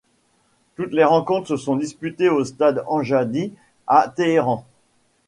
Toutes les rencontres sont disputées au stade Amjadieh à Téhéran.